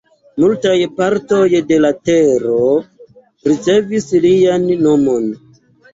Multaj partoj de la tero ricevis lian nomon.